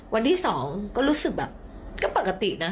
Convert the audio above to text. วันที่๒ก็รู้สึกแบบก็ปกตินะ